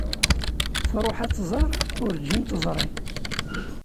Tṛuḥ ad tẓer, urǧin teẓri.